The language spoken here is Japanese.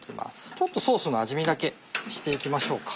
ちょっとソースの味見だけして行きましょうか。